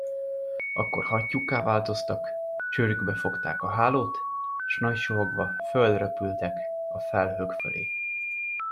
Akkor hattyúkká változtak, csőrükbe fogták a hálót, s nagy suhogva fölröpültek a felhők fölé.